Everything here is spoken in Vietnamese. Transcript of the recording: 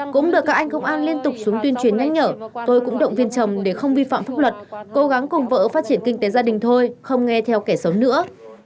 cũng được các anh công an liên tục xuống tuyên truyền nhắc nhở tôi cũng động viên chồng để không vi phạm pháp luật cố gắng cùng vợ phát triển kinh tế gia đình thôi không nghe theo kẻ xấu nữa